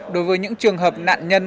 đối với những trường hợp nạn nhân